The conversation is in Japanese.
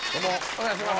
お願いします。